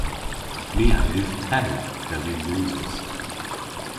My a yv te, dell yw usys.